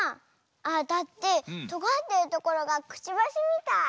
あだってとがってるところがくちばしみたい。